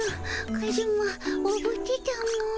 カズマおぶってたも。